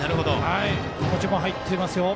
気持ちも入ってますよ。